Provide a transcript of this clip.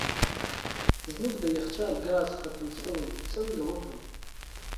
زموږ د یخچال ګاز ختم سوی څنګه وکم